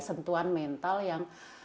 sentuhan mental yang